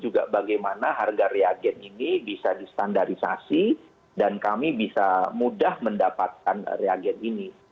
juga bagaimana harga reagen ini bisa distandarisasi dan kami bisa mudah mendapatkan reagen ini